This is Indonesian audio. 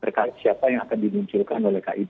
berkait siapa yang akan dimunculkan oleh kib